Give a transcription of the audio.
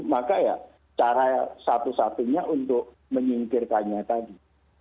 maka ya cara satu satunya untuk menyingkirkannya tadi